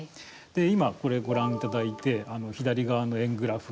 今、これご覧いただいて左側の円グラフ。